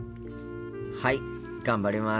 はい頑張ります。